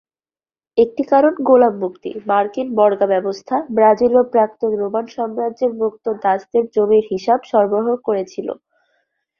একটি কারণ গোলাম মুক্তি: মার্কিন বর্গা ব্যবস্থা, ব্রাজিল এবং প্রাক্তন রোমান সাম্রাজ্যের মুক্ত দাসদের জমির হিসাব সরবরাহ করেছিল।